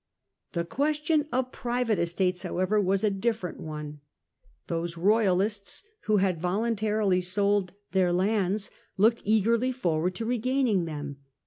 The ques tion of private estates however was a different one. Those Royalists who had voluntarily sold their lands looked eagerly forward to regaining them.